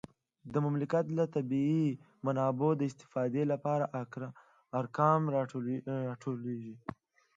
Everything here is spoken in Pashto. د مملکت د طبیعي منابعو د استفادې لپاره ارقام راټولیږي